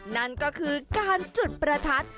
นั่นก็คือการจุดประทัด